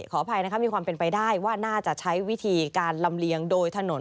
ขออภัยนะคะมีความเป็นไปได้ว่าน่าจะใช้วิธีการลำเลียงโดยถนน